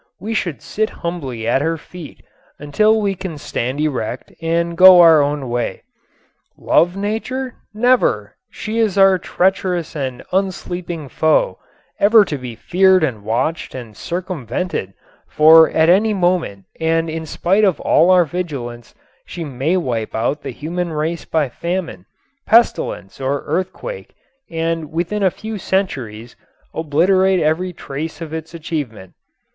We should sit humbly at her feet until we can stand erect and go our own way. Love Nature? Never! She is our treacherous and unsleeping foe, ever to be feared and watched and circumvented, for at any moment and in spite of all our vigilance she may wipe out the human race by famine, pestilence or earthquake and within a few centuries obliterate every trace of its achievement.